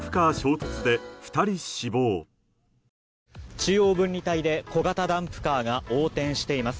中央分離帯で小型ダンプカーが横転しています。